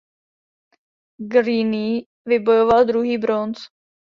Greene vybojoval druhý bronz.